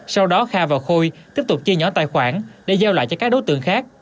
sau đó kha và khôi tiếp tục chia nhỏ tài khoản để giao lại cho các đối tượng khác